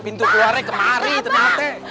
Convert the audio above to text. pintu keluarnya kemari tenate